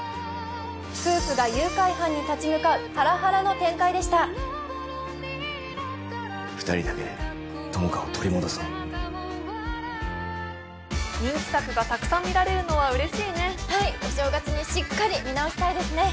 夫婦が誘拐犯に立ち向かうハラハラの展開でした二人だけで友果を取り戻そう人気作がたくさん見られるのは嬉しいねはいお正月にしっかり見直したいですね